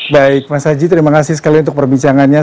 baik mas haji terima kasih sekali untuk perbincangannya